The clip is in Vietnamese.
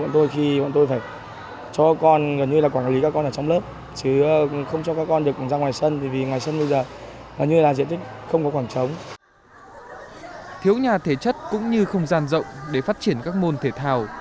thiếu nhà thể chất cũng như không gian rộng để phát triển các môn thể thao